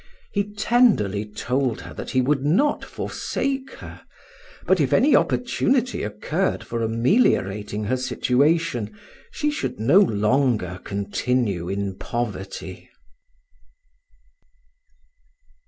He tenderly told her that he would not forsake her; but if any opportunity occurred for ameliorating her situation, she should no longer continue in poverty.